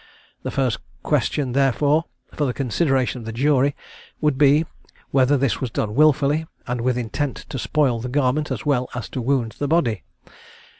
The first question, therefore, for the consideration of the jury would be, whether this was done wilfully, and with intent to spoil the garment, as well as to wound the body.